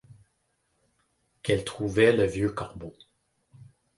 Qu’elle trouvait le vieux corbeau